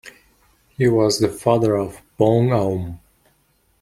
He was the father of Boun Oum.